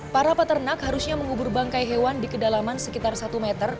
para peternak harusnya mengubur bangkai hewan di kedalaman sekitar satu meter